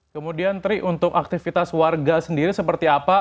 kemudian tri untuk aktivitas warga sendiri seperti apa